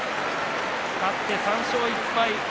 勝って３勝１敗。